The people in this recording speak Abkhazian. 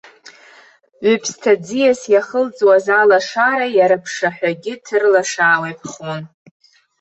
Ҩԥсҭа аӡиас иахылҵуаз алашара иара аԥшаҳәагьы ҭырлашаауа иԥхон.